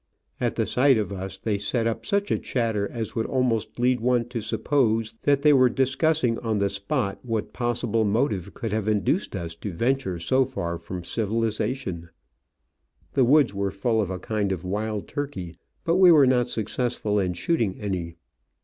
At the sight of us they set up such a chatter as would almost lead one to suppose that they were Si BUSH TURKEY. discussing on the spot what possible motive could have induced us to venture so far from civilisation. The woods were full of a kind of wild turkey, but we were not successful in shooting any.